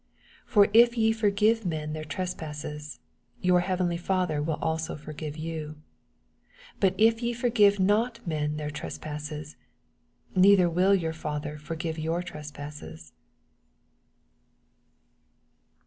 14 For if ye forgive men their trespasses, yonr heavenly Father will also forgive you : 15 But if ye forgive not men their tresj^ses, neither will your Father forgive your trespasses.